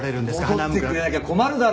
戻ってくれなきゃ困るだろ。